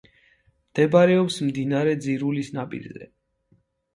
მდებარეობს მდინარე ძირულის ნაპირზე.